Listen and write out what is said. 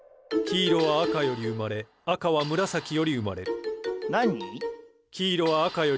黄色は赤より生まれ赤は紫より生まれる。